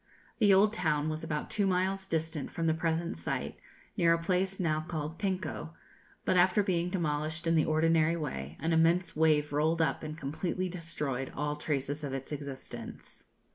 The old town was about two miles distant from the present site, near a place now called Penco, but after being demolished in the ordinary way, an immense wave rolled up and completely destroyed all traces of its existence.